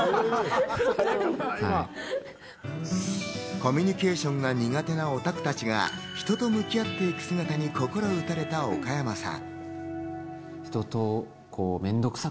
コミュニケーションが苦手なオタクたちが、人と向き合っていく姿に心打たれた岡山さん。